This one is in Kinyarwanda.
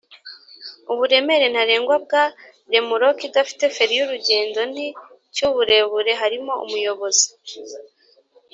uburemere ntarengwa bwa remoruke idafite feri yurugendo nti cyuburebure harimo umuyobozi